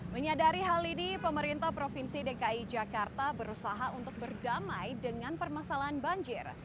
menyadari hal ini pemerintah provinsi dki jakarta berusaha untuk berdamai dengan permasalahan banjir